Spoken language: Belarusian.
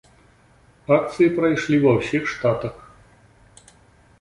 Акцыі прайшлі ва ўсіх штатах.